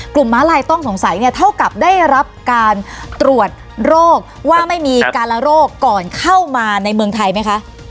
ม้าลายต้องสงสัยเนี่ยเท่ากับได้รับการตรวจโรคว่าไม่มีการละโรคก่อนเข้ามาในเมืองไทยไหมคะ